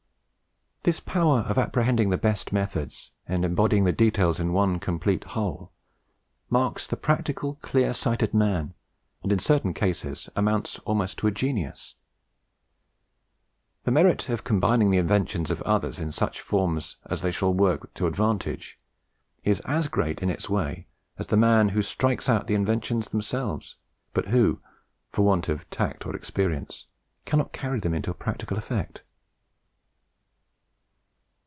This power of apprehending the best methods, and embodying the details in one complete whole, marks the practical, clear sighted man, and in certain cases amounts almost to a genius. The merit of combining the inventions of others in such forms as that they shall work to advantage, is as great in its way as that of the man who strikes out the inventions themselves, but who, for want of tact and experience, cannot carry them into practical effect.